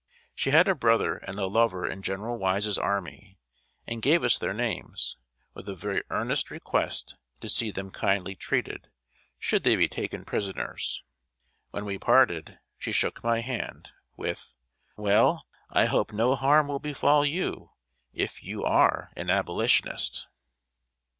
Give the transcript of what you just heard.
She had a brother and a lover in General Wise's army, and gave us their names, with a very earnest request to see them kindly treated, should they be taken prisoners. When we parted, she shook my hand, with: "Well, I hope no harm will befall you, if you are an Abolitionist!"